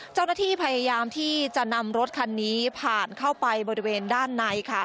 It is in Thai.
เจ้าหน้าที่พยายามที่จะนำรถคันนี้ผ่านเข้าไปบริเวณด้านในค่ะ